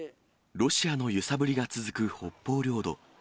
ロシアの揺さぶりが続く北方領土。